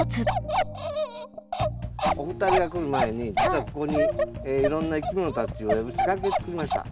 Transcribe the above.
お二人が来る前に実はここにいろんないきものたちを呼ぶ仕掛け作りました。